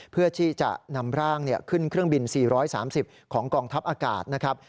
เพื่อที่จะนำร่างขึ้นเครื่องบิน๔๓๐ของกองทัพอากาศนะครับ